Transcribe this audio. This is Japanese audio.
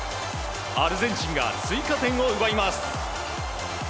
アルゼンチンが追加点を奪います。